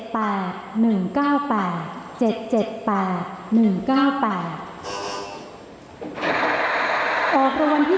อพที่๔ครั้งที่๖